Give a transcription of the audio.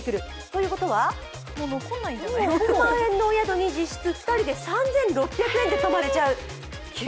ということは、６万円のお宿に実質２人で３６００円で泊まれちゃう。